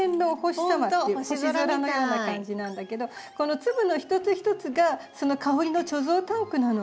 星空のような感じなんだけどこの粒の一つ一つがその香りの貯蔵タンクなの。